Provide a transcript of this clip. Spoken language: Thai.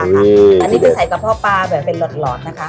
อันนี้คือใส่กระเพาะปลาแบบเป็นหลอดนะคะ